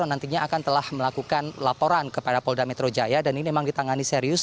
nantinya akan telah melakukan laporan kepada polda metro jaya dan ini memang ditangani serius